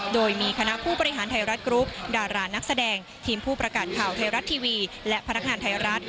โดยมีคณะผู้บริหารไทยรัฐกรุ๊ปดารานักแสดงทีมผู้ประกาศข่าวไทยรัฐทีวีและพนักงานไทยรัฐ